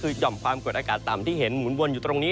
คือห่อมความกดอากาศต่ำที่เห็นหมุนวนอยู่ตรงนี้